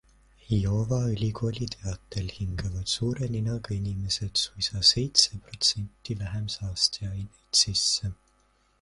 Iowa ülikooli teatel hingavad suure ninaga inimesed suisa seitse protsenti vähem saasteaineid sisse.